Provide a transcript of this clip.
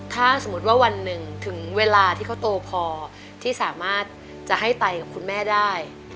ถ้าสมมุติว่าวันหนึ่งถึงเวลาที่เขาโตพอที่สามารถจะให้ไตกับคุณแม่ได้